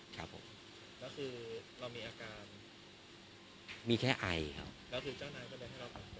ครับผมแล้วคือเรามีอาการมีแค่ไอครับแล้วคือเจ้านายก็เลยให้เราไป